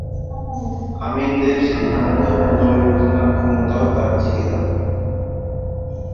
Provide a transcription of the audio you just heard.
আমিনদের সিদ্ধান্ত পুনর্বিবেচনার ক্ষমতাও তার ছিল।